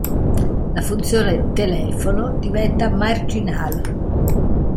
La funzione "telefono" diventa marginale.